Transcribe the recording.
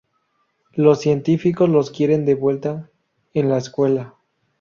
Los científicos los quieren de vuelta en La Escuela.